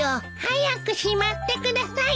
早くしまってください。